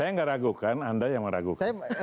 saya nggak ragukan anda yang meragukan